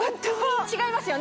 違いますよね。